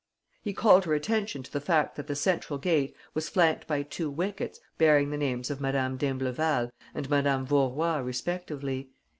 He called her attention to the fact that the central gate was flanked by two wickets bearing the names of Madame d'Imbleval and Madame Vaurois respectively.